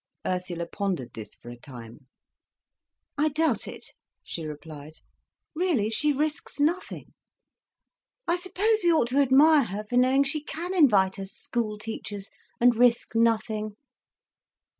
Ursula pondered this for a time. "I doubt it," she replied. "Really she risks nothing. I suppose we ought to admire her for knowing she can invite us—school teachers—and risk nothing."